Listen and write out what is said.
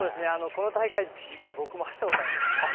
この大会、実は僕も走ったことがあるんです。